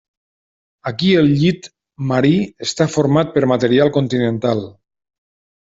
Aquí el llit marí està format per material continental.